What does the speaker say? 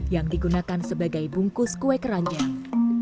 yang digunakan sebagai bungkus kue keranjang